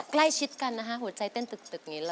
ใกล้ชิดกันนะคะหัวใจเต้นตึกอย่างนี้เลย